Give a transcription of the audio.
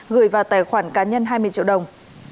gửi vào tài khoản cá nhân hai mươi triệu đồng